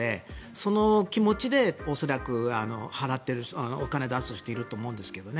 その気持ちで恐らくお金を出す人がいると思うんですけどね